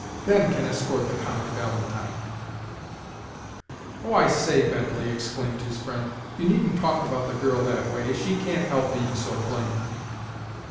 "Ben can escort the comic valentine." "Oh, I say, Bently," exclaimed his friend, "you needn't talk about the girl that way! She can't help being so plain!"